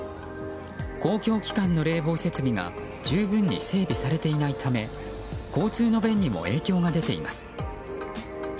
公共機関の冷房設備が十分に整備されていないため交通の便にも影響が出ています。